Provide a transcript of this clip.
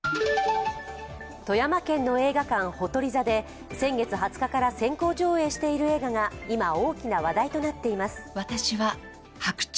富山県の映画館、ほとり座で先月２０日から先行上映している映画が今、大きな話題となっています。